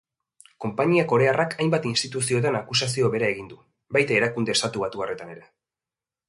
Konpainia korearrak hainbat instituziotan akusazio bera egin du, baita erakunde estatubatuarretan ere.